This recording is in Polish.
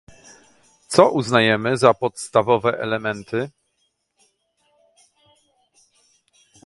Co uznajemy za podstawowe elementy?